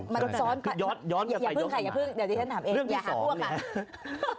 มันซ้อนไปอย่าพึ่งเดี๋ยวที่ท่านถามเองอย่าหาพวกค่ะ